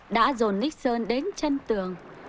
đã dồn nixon đến chân tường